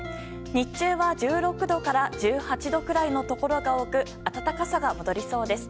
日中は１６度から１８度くらいのところが多く暖かさが戻りそうです。